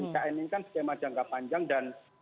ikn ini kan skema jangka panjang dan